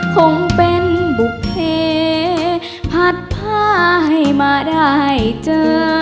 คงเป็นบุภเพัดผ้าให้มาได้เจอ